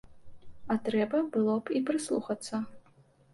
А трэба было б і прыслухацца.